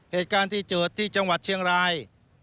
เหตุการณ์ที่เกิดที่จังหวัดเชียงราย